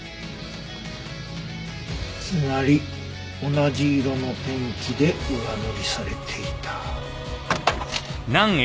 つまり同じ色のペンキで上塗りされていた。